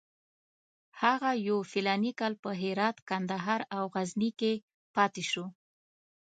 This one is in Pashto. هغه یو فلاني کال په هرات، کندهار او غزني کې پاتې شو.